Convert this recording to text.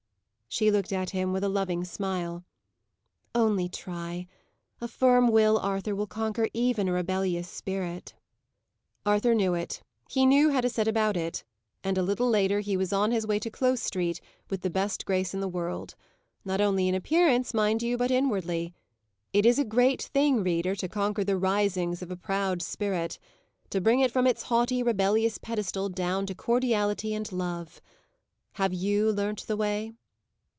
She looked at him with a loving smile. "Only try. A firm will, Arthur, will conquer even a rebellious spirit." Arthur knew it. He knew how to set about it. And a little later, he was on his way to Close Street, with the best grace in the world. Not only in appearance, mind you, but inwardly. It is a GREAT thing, reader, to conquer the risings of a proud spirit! To bring it from its haughty, rebellious pedestal, down to cordiality and love. Have you learnt the way?